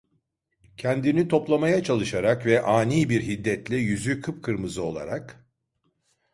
Kendini toplamaya çalışarak ve ani bir hiddetle yüzü kıpkırmızı olarak: